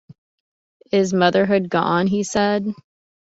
“Is motherhood gone?” he said.